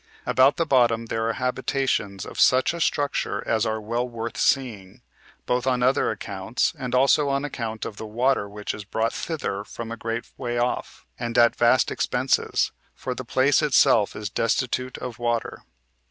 About the bottom there are habitations of such a structure as are well worth seeing, both on other accounts, and also on account of the water which is brought thither from a great way off, and at vast expenses, for the place itself is destitute of water.